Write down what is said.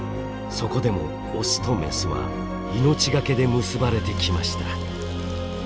そこでもオスとメスは命懸けで結ばれてきました。